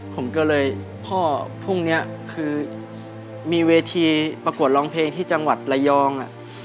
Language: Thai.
ผมก็เลยพ่อพรุ่งนี้คือมีเวทีประกวดร้องเพลงที่จังหวัดระยอง